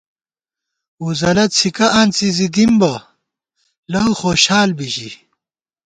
ووزَلہ څھِکہ آنڅی زی دِم بہ لؤ خوشال بی ژِی